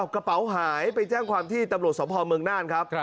กระเป๋าหายไปแจ้งความที่ตำรวจสมภาพเมืองน่านครับ